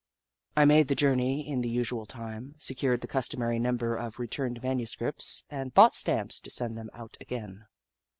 I made the journey in the usual time, secured the customary number of re turned manuscripts, and bought stamps to send them out again.